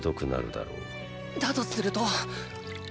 だとすると！